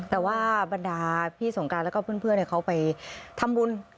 แต่ว่าบรรดาพี่สงการแล้วก็เพื่อนเขาไปทำบุญ